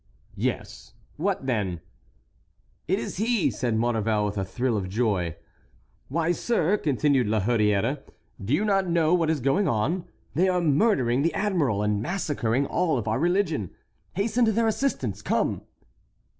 "Yes; what then?" "It is he!" said Maurevel, with a thrill of joy. "Why, sir," continued La Hurière, "do you not know what is going on? They are murdering the admiral, and massacring all of our religion. Hasten to their assistance; come!"